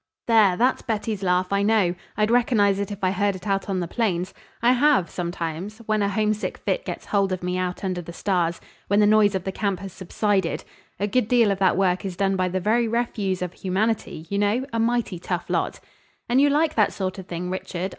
"There! That's Betty's laugh, I know. I'd recognize it if I heard it out on the plains. I have, sometimes when a homesick fit gets hold of me out under the stars, when the noise of the camp has subsided. A good deal of that work is done by the very refuse of humanity, you know, a mighty tough lot." "And you like that sort of thing, Richard?"